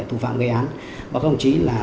tù phạm gây án và các ông chí là